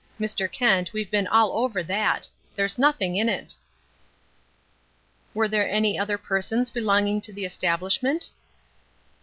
Mr. Kent, we've been all over that. There's nothing in it." "Were there any other persons belonging to the establishment?"